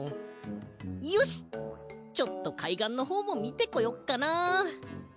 よしちょっとかいがんのほうもみてこよっかな。